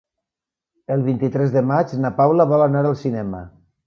El vint-i-tres de maig na Paula vol anar al cinema.